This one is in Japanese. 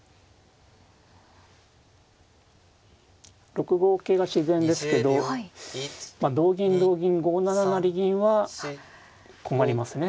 ６五桂が自然ですけど同銀同銀５七成銀は困りますね